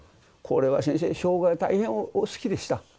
これは先生生涯大変お好きでした。